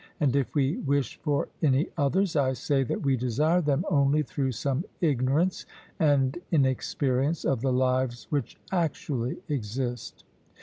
And if we wish for any others, I say that we desire them only through some ignorance and inexperience of the lives which actually exist.